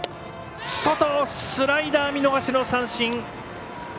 スライダー見逃しの三振！